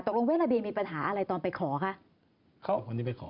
ตกลงเวทระเบียนมีปัญหาอะไรตอนไปขอค่ะ